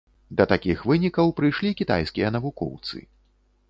Да такіх вынікаў прыйшлі кітайскія навукоўцы.